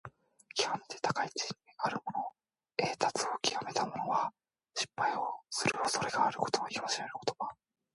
きわめて高い地位にあるもの、栄達をきわめた者は、失敗をするおそれがあることを戒める言葉。